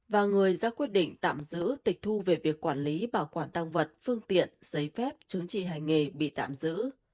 và người ra quyết định tạm giữ tịch thu về việc quản lý bảo quản tăng vật phương tiện giấy phép chứng trị hành nghề bị tạm giữ